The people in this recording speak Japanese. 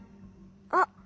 あっ。